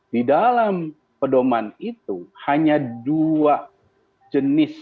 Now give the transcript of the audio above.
di dalam pedoman itu hanya dua jenis